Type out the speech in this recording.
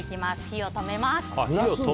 火を止めます。